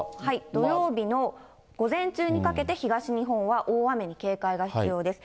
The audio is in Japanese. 土曜日の午前中にかけて、東日本は大雨に警戒が必要です。